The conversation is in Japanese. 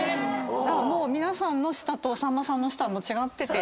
皆さんの舌とさんまさんの舌は違ってて。